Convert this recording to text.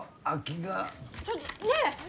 ちょっとねえ！